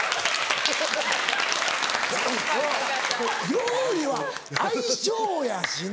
料理は相性やしな。